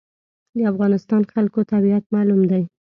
د افغانستان خلکو طبیعت معلوم دی.